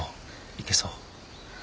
行けそう？